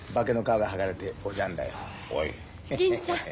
銀ちゃん。